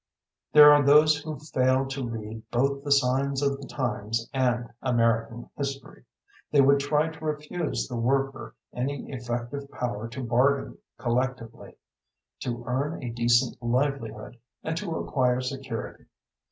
There are those who fail to read both the signs of the times and American history. They would try to refuse the worker any effective power to bargain collectively, to earn a decent livelihood and to acquire security.